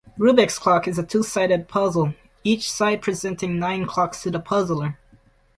Rubik's Clock is a two-sided puzzle, each side presenting nine clocks to the puzzler.